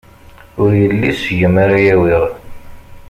Ur yelli seg-m ara awiɣ.